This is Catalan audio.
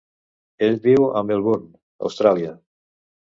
Ell viu a Melbourne, Austràlia.